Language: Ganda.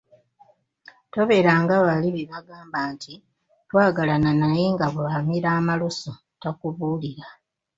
Tobeera nga bali be bagamba nti, “Twagalana naye nga bwamira amalusu takubuulira”.